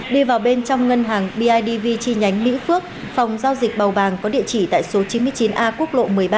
đi vào bên trong ngân hàng bidv chi nhánh mỹ phước phòng giao dịch bầu bàng có địa chỉ tại số chín mươi chín a quốc lộ một mươi ba